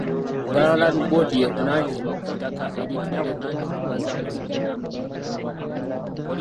Buganda Land Board y'evunaanyizibwa ku ttaka erituddeko embuga z’amasaza n’amagombolola.